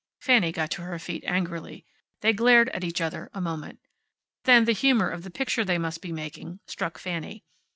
Fanny got to her feet angrily. They glared at each other a moment. Then the humor of the picture they must be making struck Fanny.